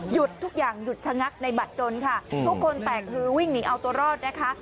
ทุกอย่างหยุดชะงักในบัตรดนค่ะทุกคนแตกคือวิ่งหนีเอาตัวรอดนะคะ